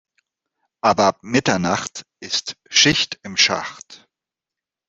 Aber ab Mitternacht ist Schicht im Schacht.